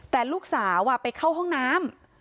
แต่ลูกสาวไปเข้าห้องน้ำ